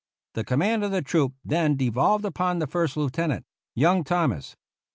The command of the troop then devolved upon the First Lieutenant, young Thomas.